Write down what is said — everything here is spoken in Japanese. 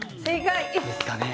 いいですかね？